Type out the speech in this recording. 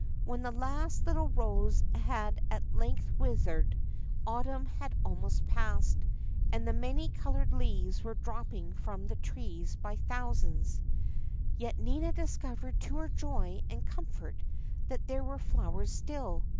When the last little rose had at length withered, autumn had almost passed, and the many colored leaves were dropping from the trees by thousands. Yet AN OLD FASHIONED WITCH STORY. 305 Nina discovered to her joy and comfort that there were flowers still.